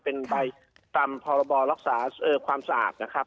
เป็นใบต่ำพรบรรคศาสตร์ความสะอาดนะครับ